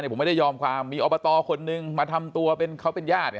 ผมไม่ได้ยอมความมีอบตคนนึงมาทำตัวเป็นเขาเป็นญาติ